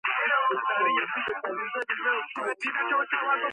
ის, რაც ზოგადად ყველასთვის არის გამიზნული.